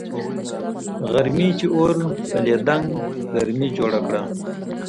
غرمې چي اور بلېدنگ ګرمي جوړه که